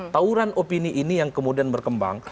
tauran opini ini yang kemudian berkembang